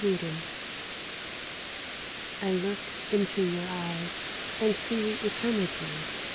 THE NUN. I LOOK into your eyes And see Eternity.